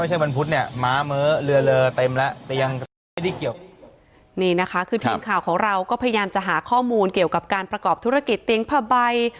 นี่นะคะคือทีมข่าวของเราก็พยายามจะหาข้อมูลเกี่ยวกับการประกอบธุรกิจเตียงผ้าใบ